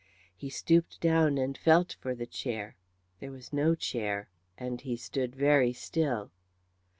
He stooped down and felt for the chair; there was no chair, and he stood very still.